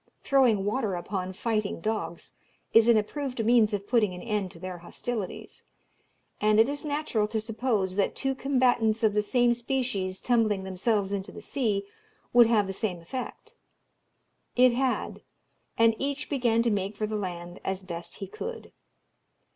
Throwing water upon fighting dogs is an approved means of putting an end to their hostilities; and it is natural to suppose that two combatants of the same species tumbling themselves into the sea would have the same effect. It had; and each began to make for the land as best he could.